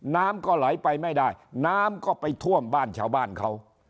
น้ำก็ไหลไปไม่ได้น้ำก็ไปท่วมบ้านชาวบ้านเขา